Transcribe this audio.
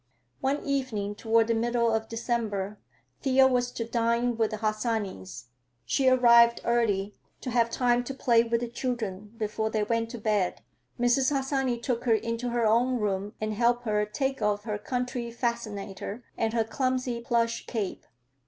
One evening toward the middle of December Thea was to dine with the Harsanyis. She arrived early, to have time to play with the children before they went to bed. Mrs. Harsanyi took her into her own room and helped her take off her country "fascinator" and her clumsy plush cape.